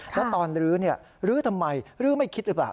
แล้วตอนลื้อลื้อทำไมลื้อไม่คิดหรือเปล่า